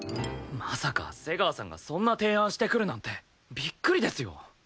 まさか瀬川さんがそんな提案してくるなんてびっくりですよ。